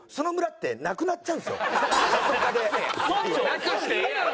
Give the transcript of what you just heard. なくしてええやろ。